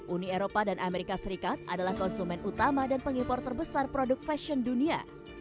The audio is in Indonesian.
uni eropa dan amerika serikat adalah konsumen utama dan pengimpor terbesar produk fashion dunia